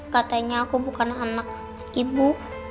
katanya aku bukan anak ibu